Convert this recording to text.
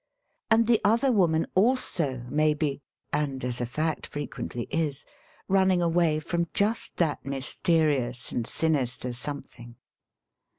And the other woman also may be — and as a fact frequently is — running away from just that mysterious and sinister something.